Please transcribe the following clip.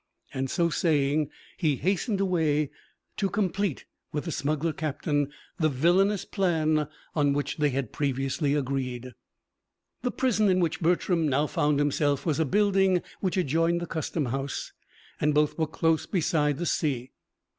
And so saying he hastened away to complete with the smuggler captain the villainous plan on which they had previously agreed. The prison in which Bertram now found himself was a building which adjoined the custom house, and both were close beside the sea.